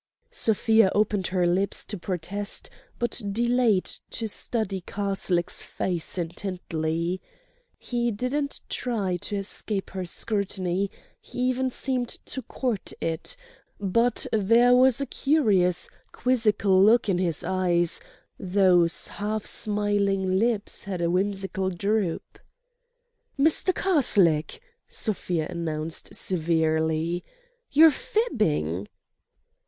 Sofia opened her lips to protest, but delayed to study Karslake's face intently. He didn't try to escape her scrutiny, he even seemed to court it; but there was a curious, quizzical look in his eyes, those half smiling lips had a whimsical droop. "Mr. Karslake!" Sofia announced, severely, "you're fibbing."